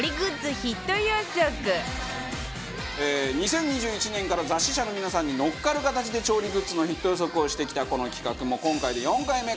そんな２０２２年２０２１年から雑誌社の皆さんに乗っかる形で調理グッズのヒット予測をしてきたこの企画も今回で４回目！